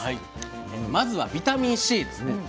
まずはビタミンＣですね。